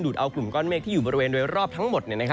เอากลุ่มก้อนเมฆที่อยู่บริเวณโดยรอบทั้งหมด